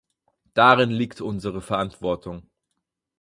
Darin liegt unsere Verantwortung.